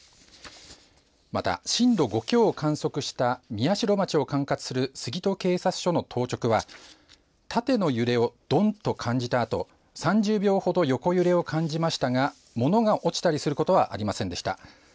また震度５強を観測した宮代町を管轄する杉戸警察署の当直は縦の揺れをどんと感じたと３０秒ほど横揺れを感じましたが物が落ちたりすることはありませんでした。